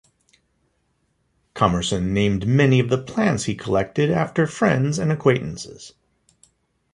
Commerson named many of the plants he collected after friends and acquaintances.